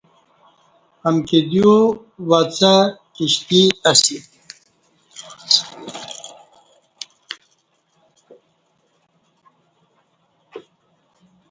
امکی دیو وڅہ کشتی اسی